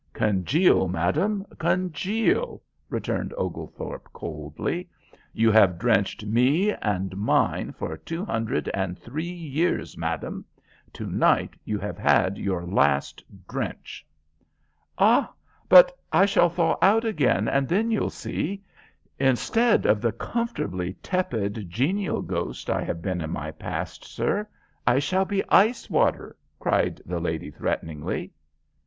"Congeal, madam, congeal!" returned Oglethorpe, coldly. "You have drenched me and mine for two hundred and three years, madam. To night you have had your last drench." "Ah, but I shall thaw out again, and then you'll see. Instead of the comfortably tepid, genial ghost I have been in my past, sir, I shall be iced water," cried the lady, threateningly.